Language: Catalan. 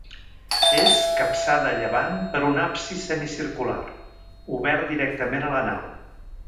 És capçada a llevant per un absis semicircular, obert directament a la nau.